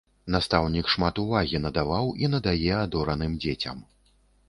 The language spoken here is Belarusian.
Настаўнік шмат увагі надаваў і надае адораным дзецям.